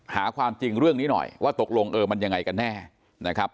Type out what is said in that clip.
หาความจริงเรื่องนี้หน่อยว่าตกลงเออมันยังไงกันแน่นะครับ